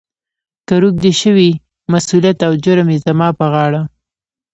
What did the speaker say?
« کهٔ روږدی شوې، مسولیت او جرم یې زما پهٔ غاړه. »